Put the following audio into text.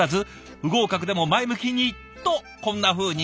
不合格でも前向きにとこんなふうに。